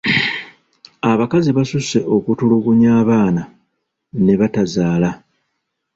Abakazi basuuse okutulugunya abaana ne batazaala.